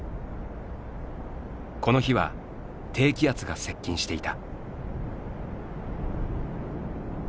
この日は低気圧が接近していた。